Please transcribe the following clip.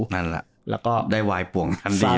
นั่นแหละได้วายปวงทันดีวะ